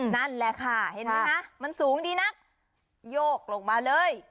นั่นแหละค่ะเห็นไหมคะมันสูงดีนักโยกลงมาเลย